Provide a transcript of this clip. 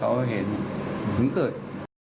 ไม่รู้ครับ